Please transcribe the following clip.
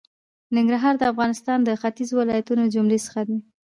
ننګرهار د افغانستان د ختېځو ولایتونو د جملې څخه دی.